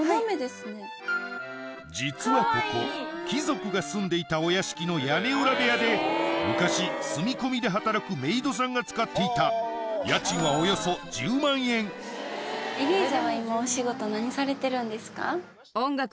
実はここ貴族が住んでいたお屋敷の屋根裏部屋で昔住み込みで働くメイドさんが使っていたエリーザは今。